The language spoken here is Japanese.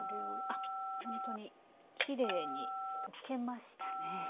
あっほんとにきれいに溶けましたね。